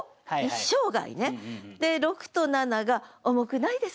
で６と７が「重くないですか？」